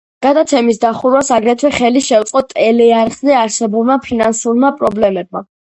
გადაცემის დახურვას აგრეთვე ხელი შეუწყო ტელეარხზე არსებულმა ფინანსურმა პრობლემებმა.